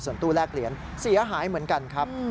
ตู้แลกเหรียญเสียหายเหมือนกันครับ